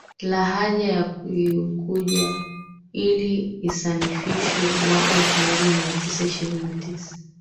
lahaja ya Kiunguja ili isanifishwe mwaka elfumoja miatisa ishirini na tisa